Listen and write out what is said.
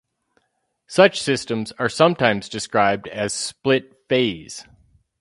Such systems are sometimes described as split-phase.